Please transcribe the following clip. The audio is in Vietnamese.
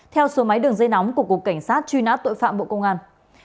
theo số máy đường dây nóng của cục cảnh sát truy nã tội phạm bộ công an